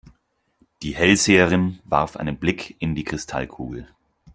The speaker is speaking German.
Die Hellseherin warf einen Blick in die Kristallkugel.